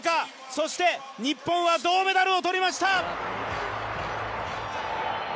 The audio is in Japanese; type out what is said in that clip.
そして日本は銅メダルを取りました。